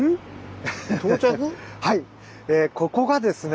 はいここがですね